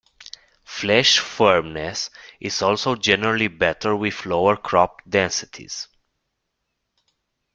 Flesh firmness is also generally better with lower crop densities.